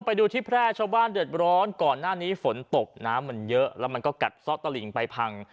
ไปดูที่แพร่ชาวบ้านเดือดร้อนก่อนหน้านี้ฝนตกน้ำมันเยอะแล้วมันก็กัดซ่อตะหลิงไปพัง